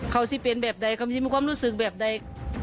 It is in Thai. เขาจะเปลี่ยนแบบใดเขาจะมีความรู้สึกแบบใด